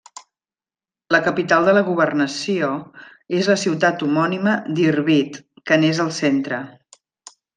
La capital de la governació és la ciutat homònima d'Irbid, que n'és al centre.